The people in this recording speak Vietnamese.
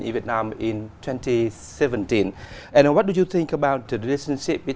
văn hóa và lịch sử